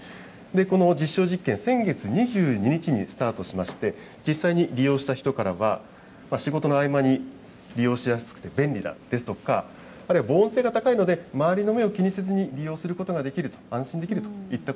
この実証実験、先月２２日にスタートしまして、実際に利用した人からは、仕事の合間に利用しやすくて便利だですとか、あるいは防音性が高いので、周りの目を気にせずに利用することができると、安心できるといった